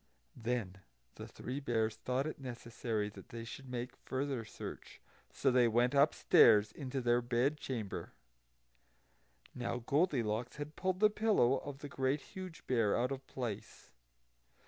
Then the Three Bears thought it necessary that they should make further search; so they went upstairs into their bed chamber. Now Goldilocks had pulled the pillow of the Great Huge Bear out of its place.